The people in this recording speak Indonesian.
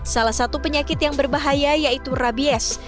salah satu penyakit yang berbahaya yaitu rabies